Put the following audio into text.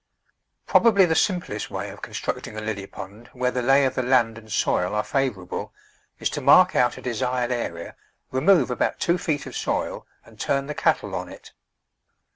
Probably the simplest way of constructing a lily pond where the lay of the land and soil are favour able, is to mark out a desired area, remove about two feet of soil and turn the cattle on it.